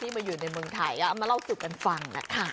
ที่มาอยู่ในเมืองไทยมาเล่าสุดกันฟังนะค่ะ